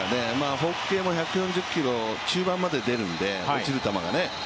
フォーク継も１４０キロ中盤まで出るので、落ちる球が。